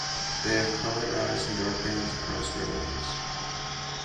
They have coloured eyes and dark bands across their wings.